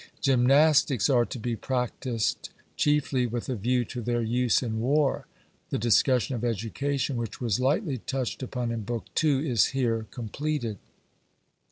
Gymnastics are to be practised chiefly with a view to their use in war. The discussion of education, which was lightly touched upon in Book ii, is here completed.